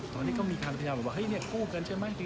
ตอนนี้ก็มีการพยายามว่าเฮ้ยเนี่ยกู้เงินใช่มั้ย